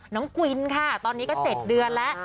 น้องกูินค่ะตอนนี้ก็เสร็จเดือนแล้ว